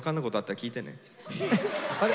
あれ？